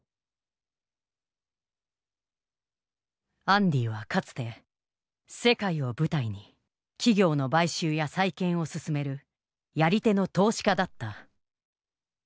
アンディはかつて世界を舞台に企業の買収や再建を進めるやり手の投資家だった。